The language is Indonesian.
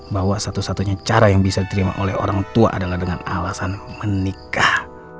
bahwa satu satunya cara yang bisa diterima oleh orang tua adalah dengan alasan menikah